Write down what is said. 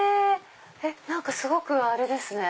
何かすごくあれですね。